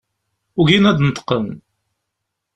Ugin ad d-neṭqen.